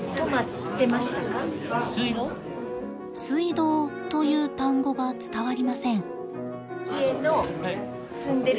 「水道」という単語が伝わりません。